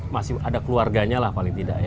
masih ada keluarganya lah paling tidak ya